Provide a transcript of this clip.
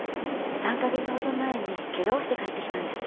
３カ月ほど前にケガをして帰ってきたんです。